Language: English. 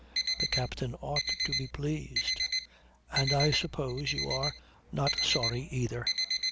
The captain ought to be pleased. And I suppose you are not sorry either."